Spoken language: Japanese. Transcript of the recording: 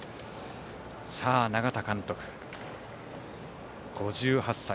永田監督、５８歳。